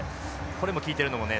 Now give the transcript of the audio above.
これも効いてるのもね